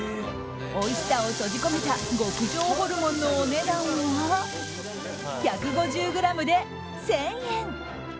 おいしさを閉じ込めた極上ホルモンのお値段は１５０ｇで１０００円。